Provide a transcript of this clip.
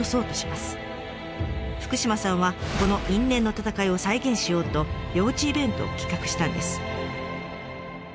福島さんはこの因縁の戦いを再現しようと夜討ちイベントを企画したんです。